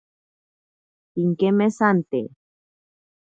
Pinkemesante.